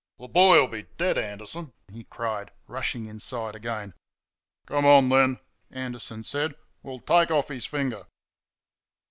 "The boy'll be dead, Anderson," he cried, rushing inside again. "Come on then," Anderson said, "we'll take off his finger."